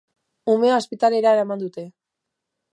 Umea ospitalera eraman dute.